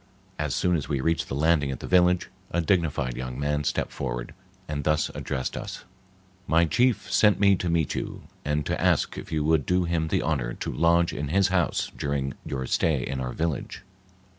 As soon as we reached the landing at the village, a dignified young man stepped forward and thus addressed us:— "My chief sent me to meet you, and to ask if you would do him the honor to lodge in his house during your stay in our village?"